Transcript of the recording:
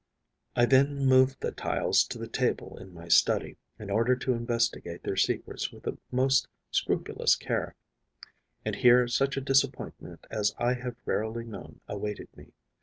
I then moved the tiles to the table in my study, in order to investigate their secrets with the most scrupulous care. And here such a disappointment as I have rarely known awaited me.